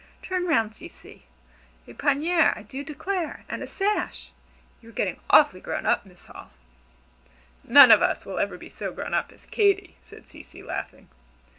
"Turn round, Cecy a panier, I do declare and a sash! You are getting awfully grown up, Miss Hall." "None of us will ever be so 'grown up' as Katy," said Cecy, laughing.